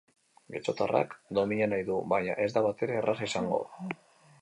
Getxotarrak domina nahi du, baina ez da batere erraza izango.